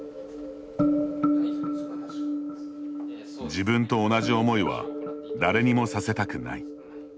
自分と同じ思いは誰にもさせたくない。